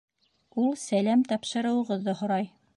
Ул сәләм тапшырыуығыҙҙы һорай.